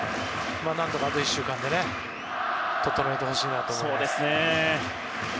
何とかあと１週間で整えてほしいなと思います。